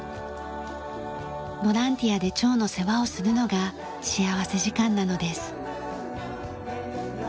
ボランティアでチョウの世話をするのが幸福時間なのです。